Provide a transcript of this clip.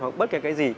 hoặc bất kể cái gì